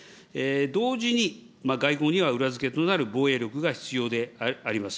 同時に、外交には裏付けとなる防衛力が必要であります。